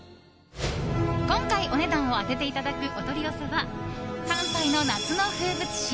今回お値段を当てていただくお取り寄せは関西の夏の風物詩。